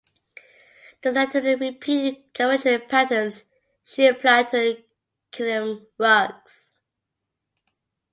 This led to the repeated geometric patterns she applied to her kilim rugs.